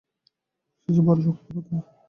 সে যে বড়ো শক্ত কথা।